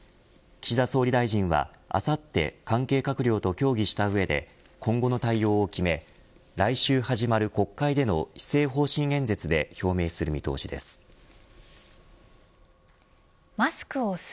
岸田総理大臣はあさって関係閣僚と協議した上で今後の対応を決め来週始まる国会での施政方針演説で表明する見通しです。